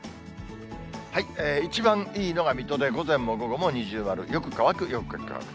一番いいのが水戸で、午前も午後も二重丸、よく乾く、よく乾く。